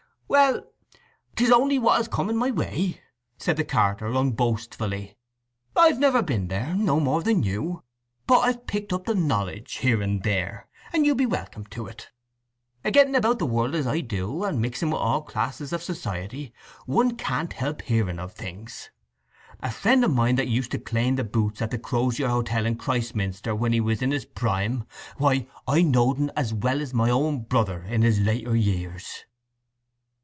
"Well, 'tis oonly what has come in my way," said the carter unboastfully. "I've never been there, no more than you; but I've picked up the knowledge here and there, and you be welcome to it. A getting about the world as I do, and mixing with all classes of society, one can't help hearing of things. A friend o' mine, that used to clane the boots at the Crozier Hotel in Christminster when he was in his prime, why, I knowed un as well as my own brother in his later years."